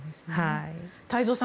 太蔵さん